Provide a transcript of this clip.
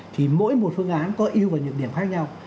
thì mỗi một phương án có yêu và nhược điểm khác nhau